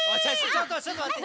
ちょっとちょっとまって。